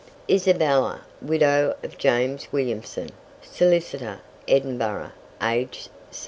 "Isabella, widow of James Williamson, solicitor, Edinburgh, aged 70."